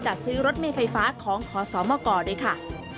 จัดซื้อรถเมย์ไฟฟ้าของขอสมกด้วยค่ะ